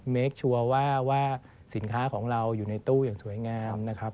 เคคชัวร์ว่าสินค้าของเราอยู่ในตู้อย่างสวยงามนะครับ